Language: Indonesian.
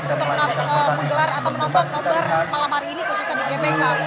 untuk menggelar atau menonton gambar malam hari ini khususnya di gbk